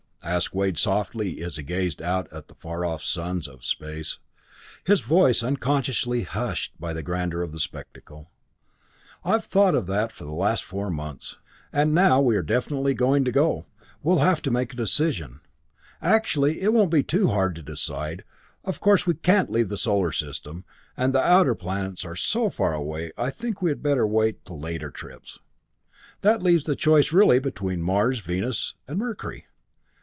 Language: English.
asked Wade softly as he gazed out at the far off suns of space, his voice unconsciously hushed by the grandeur of the spectacle. "I've thought of that for the last four months, and now that we are definitely going to go, we'll have to make a decision. Actually, it won't be too hard to decide. Of course we can't leave the solar system. And the outer planets are so far away that I think we had better wait till later trips. That leaves the choice really between Mars, Venus, and Mercury.